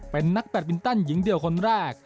เป็นนักแบตมินตันหญิงเดียวคนแรก